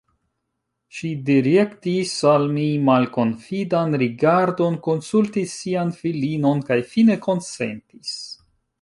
Ŝi direktis al mi malkonfidan rigardon, konsultis sian filinon, kaj fine konsentis.